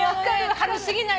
軽過ぎない。